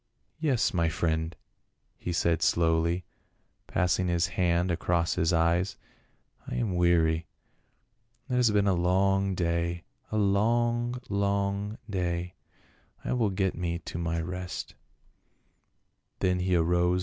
" Yes, my friend," he said slowly, passing his hand across his eyes. " I am weary. It has been a long day — a long, long day ; I will get me to my rest."